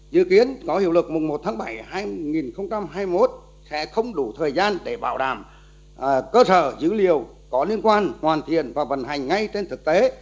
dự kiến có hiệu lực mùng một tháng bảy hai nghìn hai mươi một sẽ không đủ thời gian để bảo đảm cơ sở dữ liệu có liên quan hoàn thiện và vận hành ngay trên thực tế